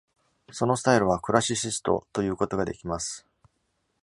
そのスタイルは、Classicist と言うことができます。